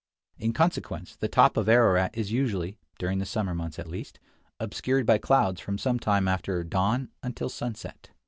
In consequence, the top of Ararat is usually — during the summer months, at least — obscured by clouds from some time after dawn until sunset.